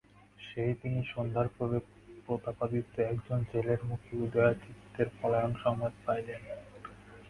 সেই দিনই সন্ধ্যার পূর্বে প্রতাপাদিত্য একজন জেলের মুখে উদয়াদিত্যের পলায়ন সংবাদ পাইলেন।